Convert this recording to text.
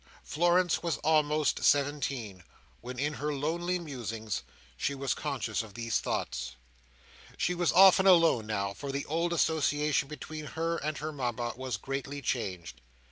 Florence was almost seventeen, when, in her lonely musings, she was conscious of these thoughts. She was often alone now, for the old association between her and her Mama was greatly changed.